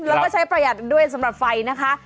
แล้วก็ใช้ประหยัดด้วยสำหรับไฟนะคะ